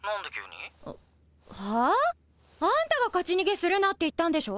ハァ？あんたが「勝ち逃げするな！」って言ったんでしょ